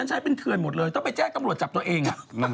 ใช้เป็นเถื่อนหมดเลยต้องไปแจ้งตำรวจจับตัวเอง